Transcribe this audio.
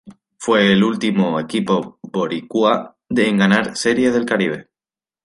Fue el último equipo Boricua en ganar Serie del Caribe.